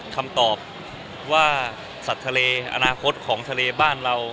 คำตอบว่าสัตว์ทะเลอนาคตของทะเลบ้านเรา